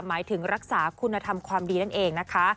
หมายถึงรักษาคุณธรรมความดีนั่นเองนะคะ